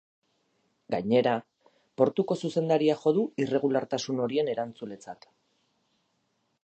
Gainera, portuko zuzendaria jo du irregulartasun horien erantzuletzat.